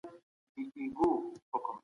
که تمرین ونه سي مهارت نه پیاوړی کېږي.